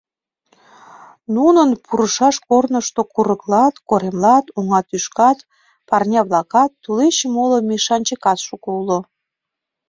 Нунын пурышаш корнышто курыклат, коремлат, оҥа тӱшкат, пырня-влакат, тулеч моло мешанчыкат шуко уло.